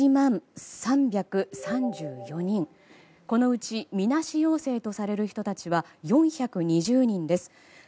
このうちみなし陽性とされる人たちは４２０人です。